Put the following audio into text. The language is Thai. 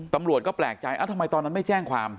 ตำรวจก็แปลกใจทำไมตอนนั้นไม่แจ้งความ